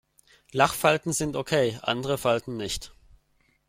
Lachfalten sind okay, andere Falten nicht.